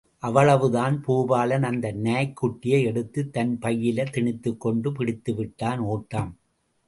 அவ்வளவுதான், பூபாலன் அந்த நாய்க் குட்டியைக் எடுத்துத் தன் பையில் திணித்துக் கொண்டு பிடித்துவிட்டான் ஒட்டம்!